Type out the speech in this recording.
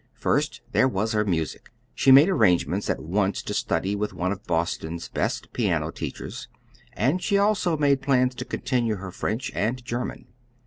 First there was her music. She made arrangements at once to study with one of Boston's best piano teachers, and she also made plans to continue her French and German.